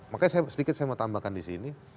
makanya sedikit saya mau tambahkan disini